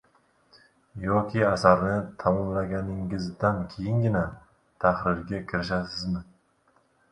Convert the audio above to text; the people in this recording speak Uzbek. Yoki asarni tamomlaganingizdan keyingina tahrirga kirishasizmi?